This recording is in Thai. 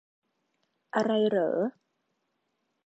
อะไรเหรอ